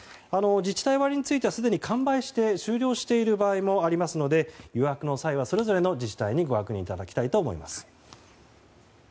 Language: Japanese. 自治体割についてはすでに完売して終了している場合もありますので予約の際は、それぞれの自治体にご確認いただきたいと思います。